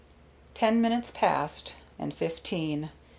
Ten minutes passed, and fifteen.